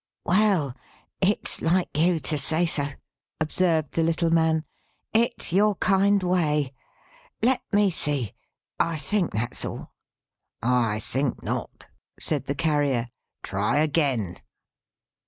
"Well! it's like you to say so," observed the little man. "It's your kind way. Let me see. I think that's all." "I think not," said the Carrier. "Try again."